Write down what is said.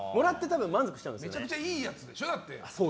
でもめちゃくちゃいいものでしょ？